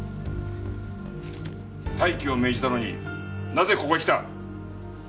待機を命じたのになぜここへ来た！？